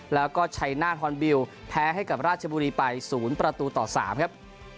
แล้วก็ชัยหน้าทอนบิลแพ้ให้กับราชบุรีไป๐ประตูต่อ๓ครับ